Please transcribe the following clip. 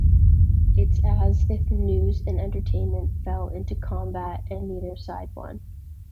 It's as if news and entertainment fell into combat and neither side won.